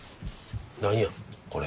何やこれ？